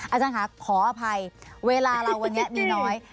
อาจารย์ค่ะขออภัยเวลาเราวันนี้มีน้อย